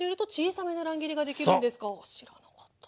知らなかった。